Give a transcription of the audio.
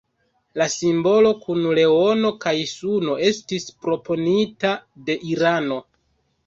La simbolo kun leono kaj suno estis proponita de Irano.